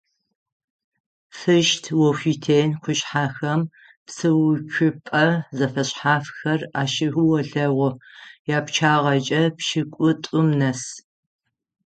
Фыщт-Ошъутен къушъхьэхэм псыуцупӏэ зэфэшъхьафхэр ащыолъэгъу, япчъагъэкӏэ пшӏыкӏутӏум нэс.